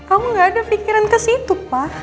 kamu gak ada pikiran ke situ pak